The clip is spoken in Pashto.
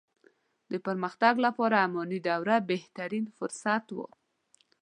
د پرمختګ لپاره اماني دوره بهترين فرصت وو.